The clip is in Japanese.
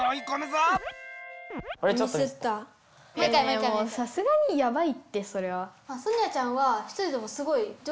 もうさすがにやばいってそれは。